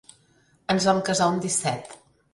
Ens vam casar un disset.